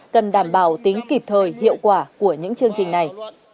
cần đảm bảo tính kịp thời hiệu quả của những chương trình này